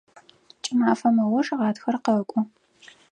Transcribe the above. Кӏымафэм ыуж гъатхэр къэкӏо.